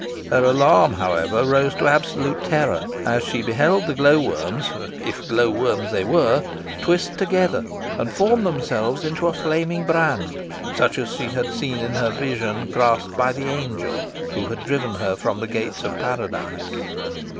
Her alarm, however, rose to absolute terror, as she beheld the glow worms if glow worms they were twist together and form themselves into a flaming brand, such as she had seen in her vision, grasped by the angel who had driven her from the gates of Paradise.